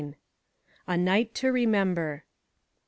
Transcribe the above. A NIGHT TO REMEMBER.